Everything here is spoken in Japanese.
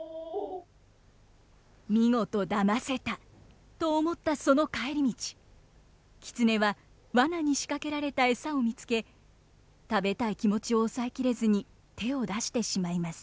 「見事だませた！」と思ったその帰り道狐はワナに仕掛けられたエサを見つけ食べたい気持ちを抑え切れずに手を出してしまいます。